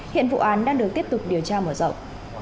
hiện vụ án đang được tiếp tục điều tra mở rộng